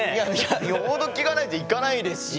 よほど気がないと行かないですし